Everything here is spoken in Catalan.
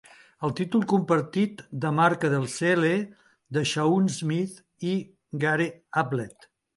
El títol compartit de "marca del sehle" de Shaun Smith i Gary Ablett.